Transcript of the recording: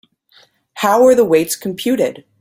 How are the weights computed?